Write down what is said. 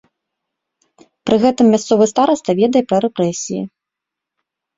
Пры гэтым мясцовы стараста ведае пра рэпрэсіі.